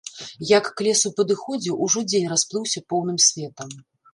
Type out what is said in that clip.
Як к лесу падыходзіў, ужо дзень расплыўся поўным светам.